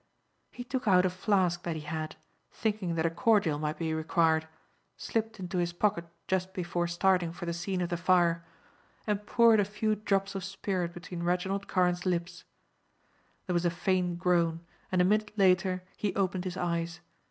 He took out a flask that he had, thinking that a cordial might be required, slipped into his pocket just before starting for the scene of the fire, and poured a few drops of spirit between Reginald Carne's lips. There was a faint groan, and a minute later he opened his eyes.